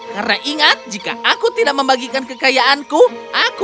karena ingat jika aku mencoba menghentikanku pukul aku dengan tongkat dan usir aku